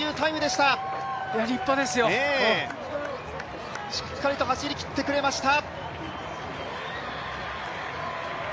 しっかりと走りきってくれました。